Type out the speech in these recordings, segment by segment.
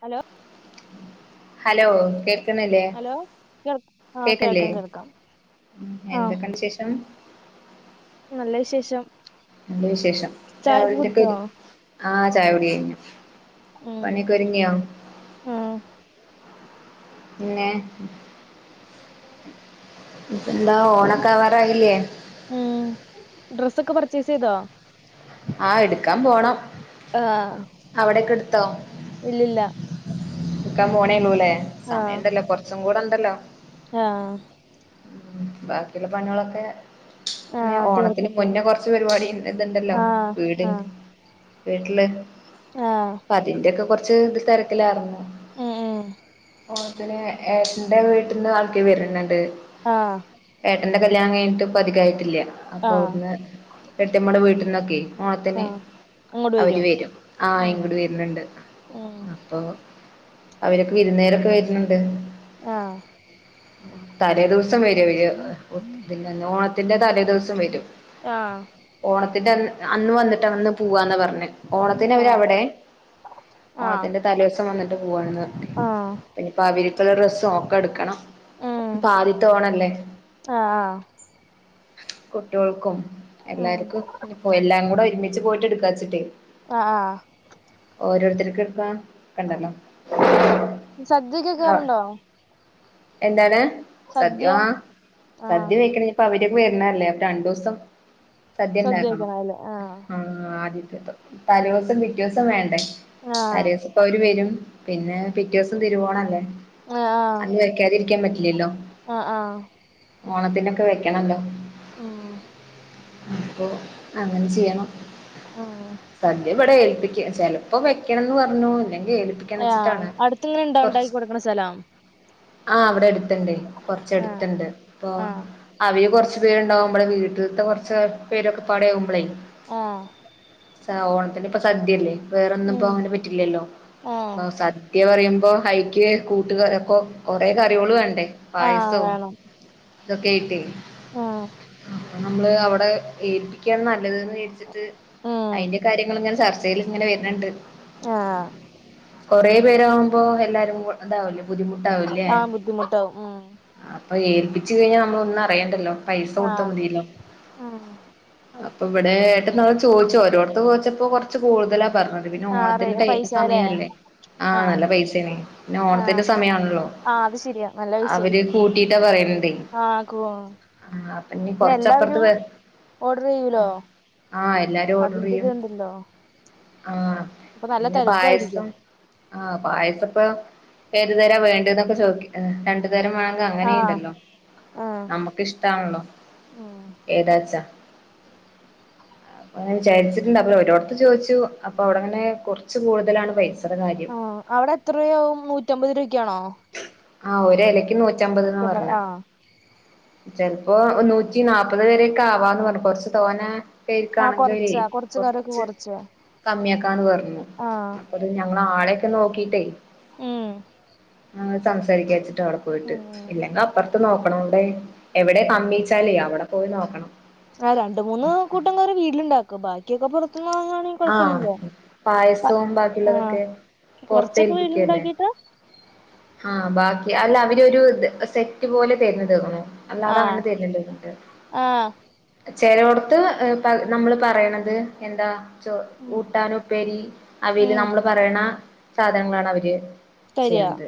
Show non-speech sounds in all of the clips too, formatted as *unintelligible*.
Hello hello കേക്ക്ണീല്ലേ hello കേൾ ആഹ് കേക്ക്ല്ലേ കേൾക്കാം കേൾക്കാം ഉം ആഹ് എന്തൊക്കെണ്ട് വിശേഷം നല്ല വിശേഷം നല്ല വിശേഷം ചായൊക്കെ രാവിലത്തെ ഒക്കെ കുടിച്ചോ ആഹ് ചായ കുടി കഴിഞ്ഞു ഉം പണിയൊക്കൊരുങ്ങിയോ ഉം പിന്നെപ്പന്താ ഓണൊക്കാവാറായില്ലേ ഉം ഡ്രസ്സൊക്കെ പർച്ചേസെയ്തോ ആഹ് എടുക്കാൻ പോണം ആഹ് അവിടൊക്കെ എടുത്തോ ഇല്ലില്ല ഇട്ക്കാൻ പോണേള്ളൂ ലേ സമയം ആഹ് ണ്ടല്ലോ കൊറച്ചും കൂടെ ണ്ടല്ലോ ആഹ് ഉം ബാക്കിള്ള പണിയാളൊക്കെ പിന്നെ ആഹ് ഓണത്തിന് തീർത്തിട്ട് മുന്നേ കൊറച്ച് പരിപാടി ത്ണ്ടല്ലോ ആഹ് വീടി ആഹ് വീട്ടില് ആഹ് അപ്പ അതിന്റൊക്കെ കൊറച്ച് ഇത് തിരക്കിലായിരുന്നു ഉം ഉം ഓണത്തിന് ഏട്ടന്റെ വീട്ടിന്ന് ആൾക്കാർ വരണണ്ട് ആഹ് ഏട്ടന്റെ കല്യാണം കഴിഞ്ഞിട്ട് പ്പൊ അധികായിട്ടില്ല അപ്പൊ ആഹ് അവിട്ന്ന് എട്തിയമ്മേടെ വീട്ടിന്നൊക്കെ ഓണത്തിന് ആഹ് അവര് വരും ആഹ് ഉം ഇങ്ങട് വര്ണുണ്ട് ഉം അപ്പൊ അവരൊക്കെ വിരുന്നേരൊക്കെ വരുന്നുണ്ട് ആഹ് തലേ ദിവസം വരും അവര് തിന്റെ അന്ന് ഓണത്തിന്റെ തലേ ദിവസം വരും ആഹ് ഓണത്തിന്റെ അ അന്ന് വന്നിട്ട് അന്ന് പോവാന്ന പറഞ്ഞെ ഓണത്തിന് അവര് ആഹ് അവിടെ ആഹ് ഓണത്തിന്റെ തലേവസം വന്നിട്ട് പോവാണ്ന്ന് ആഹ് പിന്നെപ്പോ അവർക്കുള്ള ഡ്രസ്സ് ഒക്കെ എടുക്കണം ഉം ആദ്യത്തോണല്ലേ ആഹ് ആഹ് കുട്ട്യോൾക്കും ഉം എല്ലാർക്കും ഇഞ്ഞിപ്പോ എല്ലാം കൂടെ ഒരുമിച്ച് പോയിട്ട് എടുക്കാച്ചിട്ടെ ആഹ് ആഹ് ഓരോരുത്തർക്ക്‌ എട്ക്കാൻ നിക്കണ്ടല്ലോ ഉം സദ്യൊക്കെ വെക്കാറുണ്ടോ എന്താണ് സദ്യ ആഹ് ആഹ് സദ്യ വെക്കണ പ്പൊ അവരൊക്കെ വര്ണല്ലേ അപ്പൊ രണ്ടൂസം സദ്യ ണ്ടാക്കണം ശ്രദ്ധിക്കണം അല്ലേ ആഹ് ആദ്യത്തെ തലേ ദിവസം പിറ്റേ ദിവസം വേണ്ടേ ആഹ് തലേസം ഇപ്പ അവര് വരും പിന്നെ പിറ്റേസം തിരുവോണല്ലേ ആഹ് അന്ന് വെയ്ക്കാതിരിക്കാൻ പറ്റില്ലല്ലോ ആഹ് ആഹ് ഓണത്തിനൊക്കെ വെയ്ക്കണല്ലോ ഉം അപ്പൊ അങ്ങനെ ചെയ്യണം ഉം സദ്യ ഇവിടെ ഏൽപ്പിക്ക ചെല പ്പൊ വെക്കണംന്ന് പറഞ്ഞു ഇല്ലെങ്കി ആഹ് ഏൽപ്പിക്കണച്ചിട്ടാണ് അടുത്ത്ങ്ങനെ ഇണ്ടോ കൊറച്ച് ഉണ്ടാക്കി കൊടുക്കണ സ്ഥലം ആഹ് ഇവിടെ അടുത്തുണ്ട് കൊർച് ആഹ് എടുത്ത്ണ്ട് അപ്പൊ ആഹ് അവര് കൊർച് പേരുണ്ടാവുമ്പളെ വീട്ടില്ത്തെ കൊറച്ച് പേരൊക്കെപാടെയാവുമ്പളെയ ആഹ് സ ഓണത്തിനിപ്പോ സദ്യല്ലേ വേറൊന്നും ഇപ്പൊ ഉം അങ്ങനെ പറ്റില്ലല്ലോ ആഹ് അപ്പൊ സദ്യ പറയുമ്പോ അയിക്ക് കൂട്ടു ക കൊ കൊറേ കറികളു വേണ്ടേ ആഹ് പായസോം വേണം ഇതൊക്കെ ആയിട്ടേ ആഹ് അപ്പൊ നമ്മള് അവിടെ ഏല്പ്പിക്കാണ് നല്ലത് ന്ന് വിചാരിച്ചിട്ട് ഉം അയിന്റെ കാര്യങ്ങള് ഇങ്ങനെ ചർച്ചേൽ ഇങ്ങനെ വര്ണ് ഇണ്ട് ആഹ് കൊറേ പേരാകുമ്പോ എല്ലാരും ഇതാവല്ലോ ബുദ്ധിമുട്ടാ ആഹ് ബുദ്ധിമുട്ടാവും ഉം അപ്പൊ ഏൽപ്പിച്ച് കഴിഞ്ഞാ നമ്മള് ഒന്നും അറിയണ്ടല്ലോ പൈസ കൊടുത്താ ആഹ് മതിയല്ലോ ഉം അപ്പൊ ഇവിടൊ ചോദിച്ചു ഓരോടത്തത്ത് ചോദിച്ചപ്പോ കുറച്ച് കൂടുതലാ പറഞ്ഞത് ഇപ്പൊ പിന്നെ ആഹ് റേ ഓണത്തിന്റെ ടൈ പൈസാല്ലേ സമയല്ലേ ആ ആഹ് നല്ല പൈസാണ് പിന്നെ ഓണത്തിന്റെ സമയാണല്ലോ ആ അത് ശരിയാ നല്ല അവര് പൈസായിരിക്കും കൂട്ടിട്ടാ പറയ്ണ്തെയ് ആഹ് കൂ ആ അപ്പൊ ഞ്ഞ് പിന്നെ കൊറച്ചപ്പുറത്ത് എല്ലാവരും വ ഓർഡർ ചെയ്യൂലോ ആ എല്ലാരും ഓഡർ അതിന്റെ ചെയ്യും ഇത്ണ്ടല്ലോ ആ അപ്പൊ നല്ല പിന്നെ തെരക്കും ആയിരിക്കും പായസം ആ പായസപ്പൊ ഏതുതരാ വേണ്ടെന്നൊക്കെ ചോദി രണ്ടു തരം വേണ ത് ആഹ് അങ്ങനീണ്ടല്ലോ ആഹ് നമ്മക്കിഷ്ടാണല്ലോ ഉം ഏതാച്ചാ ഇങ്ങനെ വിചാരിച്ചിണ്ടപ്പൊ ഒരോടത്ത് ചോദിച്ചു അപ്പൊ അവിടെ ഇങ്ങനെ കുറച്ചു കൂടുതലാണ് പൈസടെ കാര്യം ആഹ് അവിടെ എത്ര രൂപയാവും നൂറ്റമ്പത് രൂപക്കാണോ ആ ഒരലെക്ക് നൂറ്റമ്പത് ന്നാ പറഞ്ഞ് ചെൽപ്പോ നൂറ്റിനാപ്പത് വരെക്കെ ആവാന്ന് പറഞ്ഞു കൊറച്ച് തോനെ ആഹ് പേര്ക്കാണെങ്കിലെയ് കൊറച്ചാ കൊറച്ച് കറിയൊക്കെ കൊർച്ച് കൊറച്ചാ കമ്മിയാക്കാന്ന് പറഞ്ഞു ആഹ് അത് ഞങ്ങളാളെയൊക്കെ നോക്കിട്ടേ ഉം ഞങ്ങള് സംസാരിക്കാച്ചിട്ട് അവിടെ പോയിട്ട് ഇല്ലെങ്കി അപ്പറത്ത് നോക്കണോണ്ടേ എവിടെ കമ്മിച്ചാലെയ് അവിടെ പോയി നോക്കണം ആ രണ്ട് മൂന്ന് കൂട്ടം കറി വീട്ടിലിണ്ടാക്കും ബാക്കിയൊക്കെ പുറത്ത്ന്ന് വാങ്ങാണ് ആഹ് കുഴപ്പൊന്നൂല്ല പായസവും ആ ബാക്കിയുള്ളതൊക്കെ പുറത്ത് കൊറച്ചൊക്കെ വീട്ടില്ണ്ടാക്കീട്ട് ആ ബാക്കി അല്ല അവരൊരു സെറ്റ് പോലെ തരുന്നത് തോന്നുന്നു അല്ലാതെ ആഹ് അങ്ങനെ തെർണില്ലാ തോന്ന്ണ്ട് ആഹ് ചെലോട്ത്ത് നമ്മള് പറയ്ണത് എന്താ ചോ ഉം കൂട്ടാന് ഉപ്പേരി അവീല് ഉം നമ്മള് പറയ്ണ സാധനങ്ങളാണ് അവര് തരുവോ ചെയ്യ്ണത്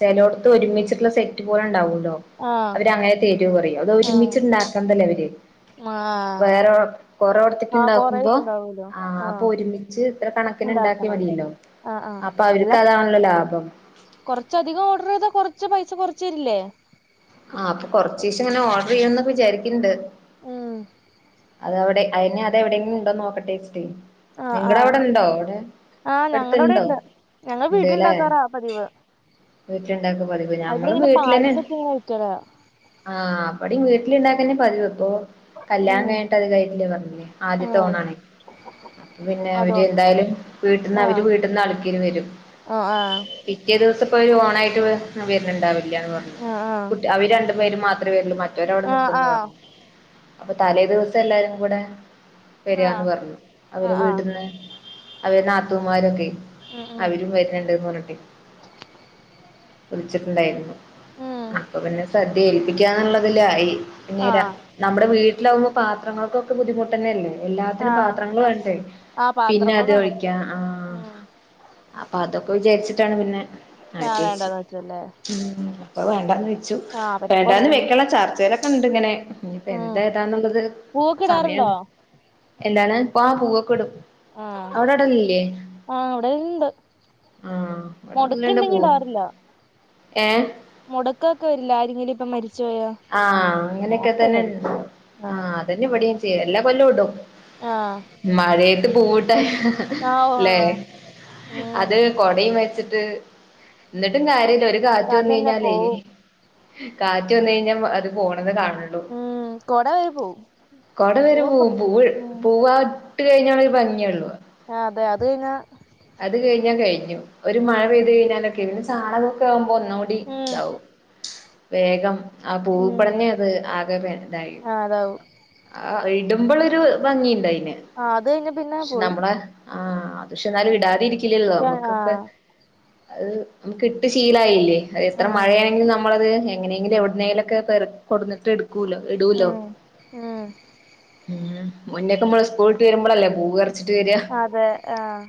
ചെലോട്ത്ത് ഒരുമിച്ച്ട്ട്ള്ള സെറ്റ് പോലെണ്ടാവൂലോ ആഹ് അവര് അങ്ങനെ എരുകുറയും അത് ആഹ് ഒരുമിച്ച്ണ്ടാക്ക്ണതല്ലേ അവര് ആഹ് വേറെ കൊറോട്ത്ത്ക്ക് ആഹ് കൊറേ ഉണ്ടാക്കുമ്പോ ഇതുണ്ടാവൂലോ ആ അപ്പൊ ആഹ് ഒരുമി ജ് ഇത്ര കണക്കിന് ഉണ്ടാക്കിയാ ഉണ്ടാക്കണത് മതീല്ലോ ആഹ് ആഹ് അപ്പൊ അവർക്ക് അതാണല്ലോ ലാഭം കുറച്ചധികം ഓർഡർ ചെയ്താ കുറച്ച് പൈസ കൊറച്ച് തരില്ലേ ആ അപ്പൊ കൊറച്ചീച്ചങ്ങന ഓഡർ ചെയ്യണന്നൊക്കെ വിചാരിക്ക്ണ്ട് ഉം അതവിടെ അയ്ന് അതെവിടെങ്കിലും ഉണ്ടോന്ന് നോക്കട്ടെച്ച്ട്ടെയ് ആഹ് ആഹ് നിങ്ങടവിടെണ്ടോ അവിടെ ആഹ് ഞങ്ങടവിടെ എട്ത്ത്ണ്ടോ ഇണ്ട് ഞങ്ങൾ ഇണ്ട് ലേ വീട്ടിലുണ്ടാക്കാറാ പതിവ് വീട്ടില്ണ്ടാക്കാ പതിവ് ഇവിടെ ഞങ്ങളും ഇങ്ങനെ വീട്ടിലന്നെ പായസൊക്കെ ഇങ്ങനെ വെക്കലാ ആ ഇവിടം വീട്ടിലിണ്ടാക്കന്നെ പതിവ് ഇപ്പോ കല്യാണം ഉം കഴിഞ്ഞട്ട് അധികായ്ട്ടില്ലാന്ന് പറഞ്ഞില്ലേ ആദ്യത്തെ ഉം ഓണാണെ അപ്പൊ പിന്നെ അതോ അവര് എന്തായാലും വീട്ടിന്ന് അവര് ആഹ് വീട്ടിന്ന് അള്ക്കിന് വരും ആഹ് ആഹ് പിറ്റേ ദിവസം ഇപ്പൊ ഒരു ഓണായിട്ട് വ് വെരണിണ്ടാവില്ല്യാന്ന് പറഞ്ഞു ആഹ് കുട്ടി അവര് രണ്ടു പേരും മാ ത്രേവരുള്ളൂ മറ്റോര് അവിടെ ആഹ് ആഹ് നിക്കുംന്ന് പറഞ്ഞു ആഹ് അപ്പൊ തലേദിവസം എല്ലാരും കൂടെ വരാന്ന് ആഹ് പറഞ്ഞു അവര് ആഹ് ആഹ് വീട്ടിന്ന് അവര് നാത്തൂമ്മാരൊക്കെ ഉം ഉം അവരും വര്നെണ്ട്ന്ന് പറഞ്ഞിട്ടെ വിളിച്ചിട്ടുണ്ടായിരുന്നു ഉം അപ്പൊ പിന്നെ സദ്യ ഏൽപ്പിക്കാന്നിള്ളതിലായി പിന്നെരാ ആഹ് നമ്മടെ വീട്ടിലാവുമ്പൊ പാത്രങ്ങൾക്കൊക്കെ ബുദ്ധിമുട്ടെന്നല്ലേ എല്ലാത്തിനും ആഹ് പാത്രങ്ങള് വേണ്ടേ ആഹ് പിന്നെ പാത്രങ്ങൾ അത് വേണം ഒഴിക്കാ ആഹ് ഉം അപ്പൊ അതൊക്കെ വിചാരിച്ചിട്ടാണ് പിന്നെ ആഹ് തേച്ച് വേണ്ടാന്ന് വെച്ചല്ലേ ഉമ്മ അപ്പൊ വേണ്ടാന്ന് വെച്ചു ആഹ് പിന്നെ വേണ്ടാന്ന് പൊറത്തുന്ന് വെക്കണ ചർച്ചേലൊക്കെണ്ട് ഇങ്ങനെ ഇഞ്ഞിപ്പോ ഉം എന്താ ഏതാന്നുള്ളത് പൂവൊക്കെ ഇടാറുണ്ടോ സമയെണ്ട് എന്താണ് പാ പൂവക്കിടും. ആഹ് അവടിടലില്ലെ ആഹ് ഇവിടെ ഇണ്ട് ആഹ് ഇവ മൊടക്കുണ്ടെങ്കി *unintelligible* ഏഹ് മുടക്കോക്കെ വരില്ലെ ആരെങ്കിലും ഇപ്പ മരിച്ചു പോയാ ആഹ് അങ്ങനെക്ക അപ്പ തന്നെ ഇടും എണ്ട് ആഹ് അതന്നെ ഇവിടെയും ചെയ്യും എല്ലാ കൊല്ലോം ഇടും ആഹ് മഴയത്ത് പൂവിട്ടാ ആഹ് ഓഹ് ല്ലേ ആഹ് ഉം അത് കൊടയും വെച്ചിട്ട് എന്നിട്ടും കാര്യില്ല ഒരു കാറ്റ് വന്ന് അതന്നെ കഴിഞ്ഞാലേ പോവും കാറ്റ് വന്ന് കഴിഞ്ഞാ അത് പോണത് കാണുള്ളു ഉം കൊട വരെ പോവും കൊട വരെ പൂവൊക്കെ പോവും പൂവ് ഉം പൂവാ ട്ട് കഴഞ്ഞാണ് ഒരു ഭംഗിയൊള്ളൂ ആഹ് അതെ അത് കഴിഞ്ഞാ അത് കഴിഞ്ഞാ കഴിഞ്ഞു ഒരു ഉം മഴ പെയ്ത് കഴിഞ്ഞാലൊക്കെ ഇന്ന് ചാണകോക്കെ ആവുമ്പോ ഒന്നുകൂടി ഉം ഇതാവും വേഗം ആ ഉം പൂപ്പെടന്നെ അത് ആകെ പെൻ ഇതായി ആഹ് അതാവും ആഹ് ഇടുമ്പളൊര് ഭംങ്ങീണ്ട് അയ്ന് ആഹ് അത് കഴിഞ്ഞ പിന്നെ പക്ഷെ പോയി നമ്മള് ആഹ് അത് പക്ഷെ എന്തായാലും ഇടാതിരിക്കില്ലല്ലോ നമുക്കൊക്കെ ആഹ് അത് നമുക്ക് ഇട്ട് ശീലായില്ലേ അത്‌ എത്ര ഉം മഴയാണെങ്കിലും നമ്മളത് എങ്ങനെങ്കിലും എവി ന്നേലൊക്കെ പെറു‌ക്കി കൊണ്ടന്നിട്ട് എടുക്കൂല ഇടൂല ഉം ഉം മുന്നേക്കമ്മള് സ്കൂളുവിട്ട് വരുമ്പളല്ലേ പൂവ് പറി റിച്ചിട്ട് വരാ അതെ ആഹ്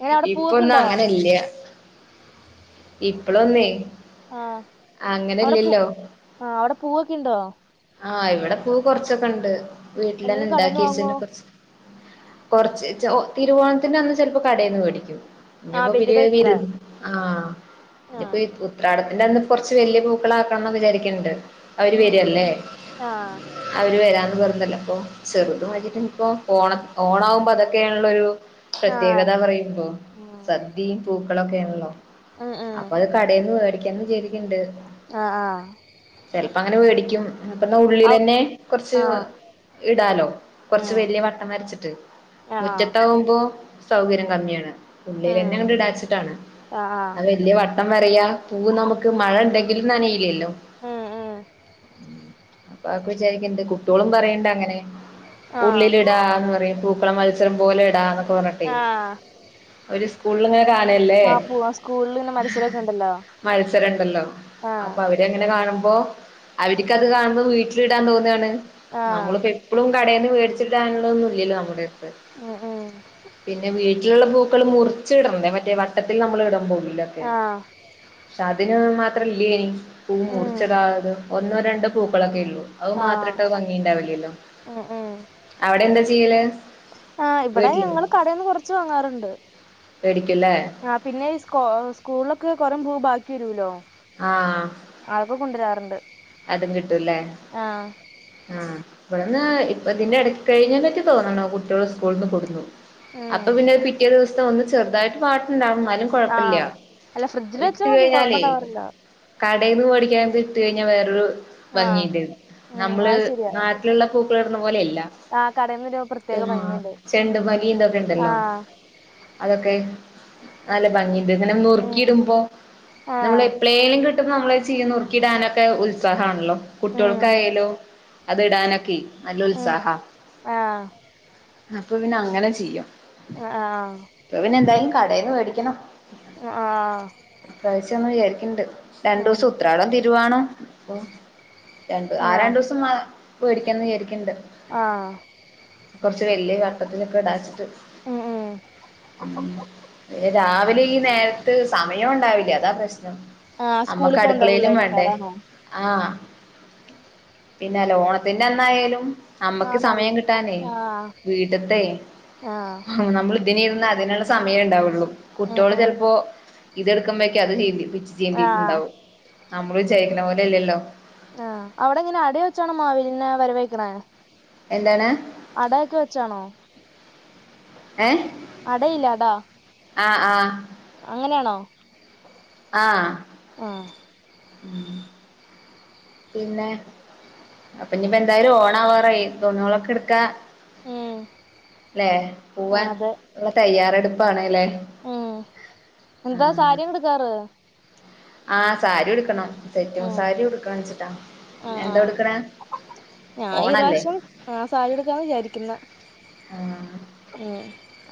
എങ്ങനെ അവിടെ പൂവൊക്കെ ഇപ്പൊന്നും ഇണ്ടോ അങ്ങനല്ല ഇപ്പളൊന്നേ ആഹ് അവിടെ പൂ അങ്ങനെല്ലല്ലോ ആഹ് അവിടെ പൂവൊ‌ക്കിണ്ടോ ആഹ് ഇവിടെ പൂ കൊറച്ചൊക്ക എണ്ട് വീട്ടിലന്നെ അല്ലെങ്കി കടേന്ന് വാങ്ങോ ഇണ്ടാക്കിവെച്ചിരുന്ന കൊറച്ച് കൊറച്ചീച്ചോ ഓഹ് തിരുവോണത്തിന്റെ അന്ന് ചിലപ്പോ കടേന്ന് മേടിക്കും ആഹ് ഇനിപ്പോ *unintelligible* *unintelligible* വലുതായിട്ടിടാൻ ആഹ് ഇനി ആഹ് എത്തും ഉത്രാടത്തിന്റെ അന്ന് കൊറച്ച് വല്യ പൂക്കളാക്കണംന്ന് വിചാരിക്കണെണ്ട് അവര് ഉം വെര്യല്ലേ ആഹ് അവര് വരാന്ന് പറഞ്ഞല്ലൊ അപ്പൊ ചെറുത് വാങ്ങിട്ട് ഇപ്പോ ഓണ ഓണ ആവുമ്പോ അതൊക്കേണല്ലോ ഒരു ആഹ് പ്രത്യേകത പറയുമ്പോ ഉം സദ്യയും പൂക്കളൊക്കെയാണല്ലോ ഉം ഉം അപ്പൊ അത് കടേന്ന് മേടിക്കാന്ന് വിചാരിക്കെണ്ട് ആഹ് ആഹ് ചെലപ്പങ്ങനെ മേടിക്കും. അപ്പന്ന് ആഹ് ഉള്ളിലന്നെ കൊറച്ച് ആഹ് ഇടാലോ കൊറച്ച് ഉം വലിയ വട്ടം വരച്ചിട്ട് ആഹ് മുറ്റത്താവുമ്പോ സൗകര്യം കമ്മിയാണ് ഉള്ളില് ഉം എന്നാങ്ങട് ഇടാച്ചിട്ടാണ് ആഹ് അത്‌ വെല്ല്യ വ ട്ടം വരയാ പൂവ് നമുക്ക് മഴ ഇണ്ടെങ്കിലും നനയില്ലല്ലോ ഉം ഉം അപ്പ അതൊക്കെ വിചാരിക്കണ്ട് കുട്ടികളും പറയെണ്ടങ്ങനെ ആഹ് ഉള്ളിലിടാന്ന് പറയും പൂ ക്കള മത്സരം പോലെ ഇടാന്ന് ആഹ് സ്കൂളിൽ ഇങ്ങനെ കാണല്ലേ ആഹ് പൂവ് സ്കൂളിൽ ഇങ്ങനെ മത്സരൊക്കെ ഇണ്ടല്ലോ മത്സരംണ്ടല്ലോ? അപ്പോ അവരെങ്ങനെ കാണുമ്പോ- പ്പോ അവരക്കത് കാണുമ്പോ- വീട്ടിലിടാൻ തോന്നാണ് ആഹ് നമ്മള്- എപ്പോഴും കടയിൽ നിന്ന്- മേടിച്ചിട്ടാനുള്ളൊന്നും ഇല്ലല്ലോ നമ്മുടെ അടുത്ത്. ആഹ്‌.. പിന്നെ വീട്ടിലുള്ള പൂക്കൾ മുറിച്ച്- ഇടട്ടേ മറ്റേ വട്ടത്തിൽ നമ്മൾ ഇടാൻ പോകൂല- ആഹ് പക്ഷെ അതിന് മാത്രല്ലനി പൂ- ഉം അ ഒന്നോ, രണ്ടോ പൂക്കളൊക്കെ ഉള്ളൂ, അത് ആഹ് മാത്രട്ടോ ഭംഗിയണ്ടാവില്ലല്ലോ. ഉം ഉം അവിടെ എന്താ ചെയ്യല്? ആഹ് ഇവിടെ വീട്ടില് ഞങ്ങള് കടയിന്ന് കൊറച്ച് വാങ്ങാറുണ്ട്. മേടിക്കുംല്ലേ പിന്നെ ഈ സ്കൂ, സ്കൂളിലൊക്കെ കൊറേ പൂവ് ബാക്കി വരുല്ലോ. ആഹ.. അതോക്കെ കൊണ്ട് വരാറുണ്ട്. അതും കിട്ടൂല്ലേ. ആഹ് ഇവിടെന്ന് ഇപ്പ ഇതിന്റെ ഇട കഴിഞ്ഞ പറ്റി തോന്നണോ കുട്ടികള്- സ്കൂള നിന്ന് കൊടുന്നു. ഉം അപ്പോ പിന്നെ അത് പിറ്റേ ദിവസം ഒന്ന് ചെറുതായിട്ട് മാറ്റം ഉണ്ടാവും എന്നാലും, കുഴപ്പമില്ല ആഹ് അല്ല ഫ്രിഡ്ജിൽ വെച്ചാ ഇട്ട് മതി കഴിഞ്ഞാലേ. കൊഴപ്പണ്ടാവാറില്ല കടയിൽന്ന് ഓടിക്കാൻ ഇട്ട- കഴിഞ്ഞാൽ വേറൊരു ആഹ് ഭംഗിയണ്ട് ഉം നമ്മള്. അത് ശരിയാ പൂക്കൾ ഇടുന്ന പോലെയല്ല. ആഹ് കടേന്ന് വരുമ്പോ പ്രത്യേക ആഹ ഭംഗിയുണ്ട് ചെണ്ട മലീന്തൊക്കെ- *unintelligible* ഉണ്ടല്ലോ. ആഹ് അതൊക്കെ നല്ല ഭംഗിയുണ്ട്, ഇങ്ങനെ ഉം നറുക്കിയിടുമ്പോ നമ്മള് ആഹ് ഏ- പ്ലേലും കിട്ടുമ്പോ നമ്മള് ചീന്ന് ഉറുക്കിടാനൊക്കെ- ഉത്സാഹമാണല്ലോ, ഉം ഉം കുട്ടികൾക്കായാലും. അത് ഇടാനൊക്കെ നല്ല ഉം ഉത്സാഹ, ആഹ് അപ്പോ പിന്നെ അങ്ങനെ ചെയ്യും. ആ ആ.. ഇപ്പൊ പിന്നെ എന്തായാലും കടയിൽന്ന് മേടിക്കണം. ആഹ് പ്രാവശ്യം ഒന്ന വിചാരിക്കണ്ട്, രണ്ടു ഉം ദിവസം ഉത്രാടം, തിരുവോണം. ഓ രണ്ട് ആ ആഹ് രണ്ടു ദിവസം പേടിക്കന്ന് വിചാരിക്കണ്ട്. ആഹ... കൊറച്ച് വലിയ വട്ടത്തിലൊക്കെ ഇടാച്ചിട്ട്. ഉം ഉം ഉ രാവിലെ ഈ നേരത്ത് സമയം- ഉണ്ടാവില്ല അതാ പ്രശ്നം. ആഹ് സ്കൂളിൽ അമ്മക്ക് പോണ്ടോ അടുക്കളയിലും പിള്ളേരൊക്കെ വേണ്ടേ? അതാണോ ആഹ... പിന്നെ ഓണത്തിന്റെ അന്നായാലും- നമ്മക്ക് ആഹ് നല്ല സമയം കിട്ടാനേ ആഹ് വീട്ടത്തെ, ആഹ് നമ്മള്- ഇതി ഇരുന്ന് അതിനുള്ള സമയമ ഉണ്ടാവുള്ളൂ, ഉം കുട്ടികള് ഉം ചിലപ്പോ- ഇതെടുക്കുമ്പോഴക്കെ അത് ചെയ്- ആഹ് ട്ടുണ്ടാവും നമ്മള് വിചാരിക്കുന്ന പോലെയല്ലല്ലോ. ആ അവിടെ എങ്ങനെ അട- വെച്ചണോ മാവേലിനെ വരവെൽക്കുനെ. എന്താണ്? അടൊക്കെ വെച്ചാണോ? ഏ.. അടയില്ലേ അട.? ആഹ ആഹ.. അങ്ങനെയാണോ? ആഹ ആഹ് പിന്നെ, അപ്പോ ഇനിയിപ്പോ എന്തായാലും ഓണാവാറായി, ഇനിപ്പോ തുണി ഒകെ എടുക്കാ. ഉം അല്ലെ ആഹ് പോവാൻ അതെ ഉള്ള- തയ്യാറെടുപ്പാണല്ലേ. ഉം എന്താ സരിയയെടുകാർ? ആഹ സാരി എടുക്കണം. സെറ്റും ഉം സാരി ഉടുക്ക വെച്ചിട്ടാ. ആഹ് എന്താ ആഹ് ഉടുക്കണേ ഓണല്ലേ? ആ സാരി എടുക്കന്ന് വിചാരിക്കുന്ന ഉ...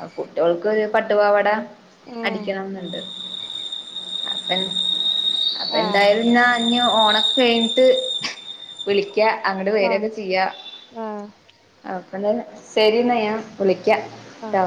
ആ കുട്ടികൾക്ക്ഒരു പട്ടുപാവാട ഉം അടിക്കണം എന്നുണ്ട്. അപ്പ അപ്പൊ ആഹ് എന്തായാലും എന്നാ. ഓണക്കെ കഴിഞ്ഞിട്ട് വിളിക്ക അങ്ങട്ട് ആഹ് വരൊക്കെ ചെയ്യാ ആഹ് അപ്പ ശരി എന്നാ ഞാൻ വിളിക്ക ആഹ്